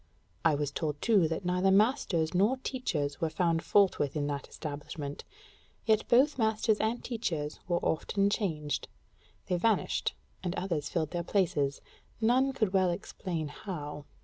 I was told too that neither masters nor teachers were found fault with in that establishment: yet both masters and teachers were often changed; they vanished and others filled their places, none could well explain how.